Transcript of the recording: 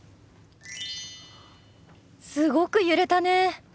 すごく揺れたね。